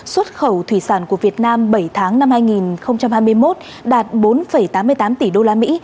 xuất khẩu thủy sản của việt nam bảy tháng năm hai nghìn hai mươi một đạt bốn tám mươi tám tỷ đô la mỹ